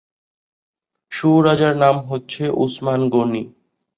সুয়োরাজার নাম হচ্ছে ওসমান গনি।